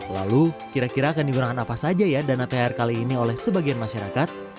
lalu kira kira akan digunakan apa saja ya dana thr kali ini oleh sebagian masyarakat